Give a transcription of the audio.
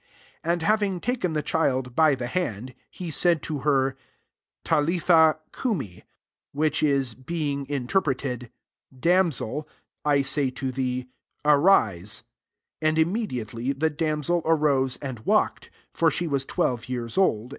41 And having taken the child by the hand, he said to her, "Tai» litha cumi ;" which is, being interpreted, " Damsel," (I ss^y to thee) " arise." 42 And im mediately, the damsel arose and walked : for she was twelve years old.